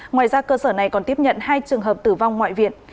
ngoài ra cơ sở này còn tiếp nhận hai trường hợp tử vong ngoại viện